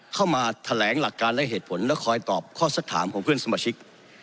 เข้ามาแถลงหลักการและเหตุผลและคอยตอบข้อสักถามของเพื่อนสมาชิก